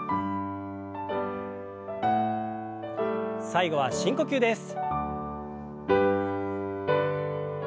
最後は深呼吸です。